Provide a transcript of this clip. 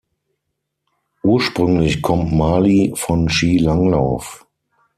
Ursprünglich kommt Mali von Skilanglauf.